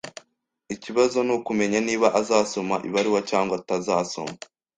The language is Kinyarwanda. Ikibazo nukumenya niba azasoma ibaruwa cyangwa atazasoma.